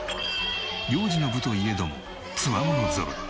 幼児の部といえどもつわものぞろい。